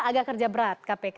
agak kerja berat kpk